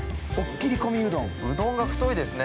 きりこみうどんうどんが太いですね